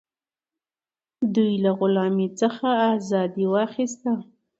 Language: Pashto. دوی له غلامۍ څخه ازادي واخیسته.